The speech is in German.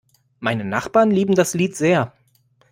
Meine Nachbarn lieben das Lied sehr.